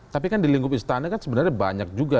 tapi kan di lingkup istana kan sebenarnya banyak juga